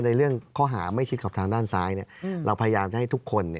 ในเรื่องข้อหาไม่ชิดขอบทางด้านซ้ายเราพยายามจะให้ทุกคน